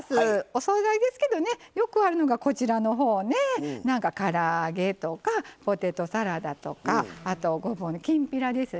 お総菜ですけどよくあるのが、から揚げとかポテトサラダとかあと、ごぼうのきんぴらです。